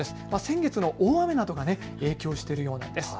先月の大雨などが影響しているようなんです。